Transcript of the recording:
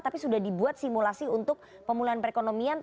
tapi sudah dibuat simulasi untuk pemulihan perekonomian